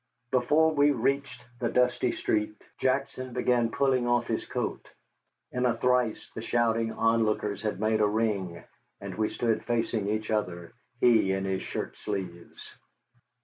Before we reached the dusty street Jackson began pulling off his coat. In a trice the shouting onlookers had made a ring, and we stood facing each other, he in his shirt sleeves.